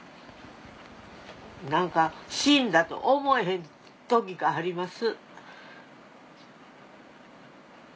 何か死んだと思えへん時があります。